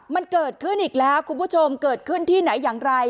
มันเกิดขึ้นอีกแล้วคุณผู้ชมเกิดขึ้นที่ไหนอย่างไร